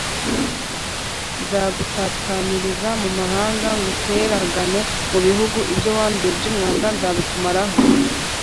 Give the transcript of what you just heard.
Nzagutataniriza mu mahanga nguteragane mu bihugu, ibyo wanduye by’umwanda nzabikumaramo